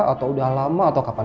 atau udah lama atau kapan